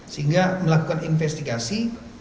sehingga melakukan investigasi